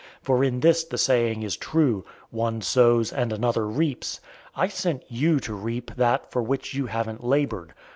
004:037 For in this the saying is true, 'One sows, and another reaps.' 004:038 I sent you to reap that for which you haven't labored.